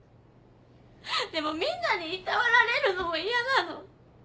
でもみんなにいたわられるのもイヤなの。